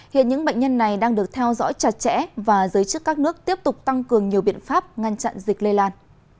hiện những bệnh nhân này đang được theo dõi chặt chẽ và giới chức các nước tiếp tục tăng cường nhiều biện pháp ngăn chặn dịch lây lan